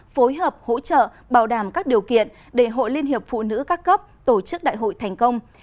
phối hợp hỗ trợ bảo đảm các điều kiện để hội liên hiệp phụ nữ các cấp tổ chức đại hội thành công